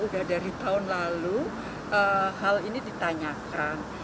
udah dari tahun lalu hal ini ditanyakan